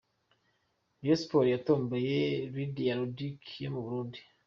Rayon Sports yatomboye Lydia Ludic yo mu Burundi.